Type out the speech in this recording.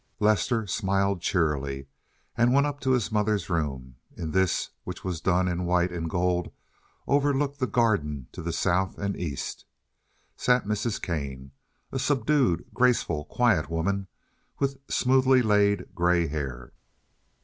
Lester smiled cheerily and went up to his mother's room. In this, which was done in white and gold and overlooked the garden to the south and east, sat Mrs. Kane, a subdued, graceful, quiet woman, with smoothly laid gray hair.